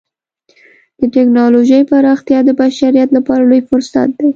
د ټکنالوجۍ پراختیا د بشریت لپاره لوی فرصت دی.